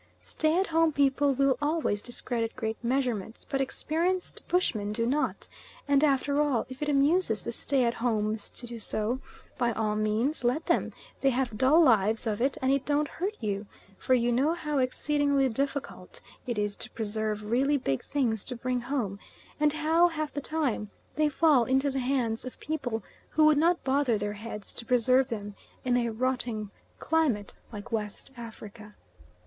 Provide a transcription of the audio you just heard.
Stay at home people will always discredit great measurements, but experienced bushmen do not, and after all, if it amuses the stay at homes to do so, by all means let them; they have dull lives of it and it don't hurt you, for you know how exceedingly difficult it is to preserve really big things to bring home, and how, half the time, they fall into the hands of people who would not bother their heads to preserve them in a rotting climate like West Africa.